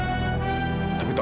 kamila lagi mencari kamila